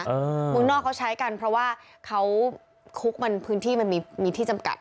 เมืองนอกเขาใช้กันเพราะว่าเขาคุกมันพื้นที่มันมีมีที่จำกัด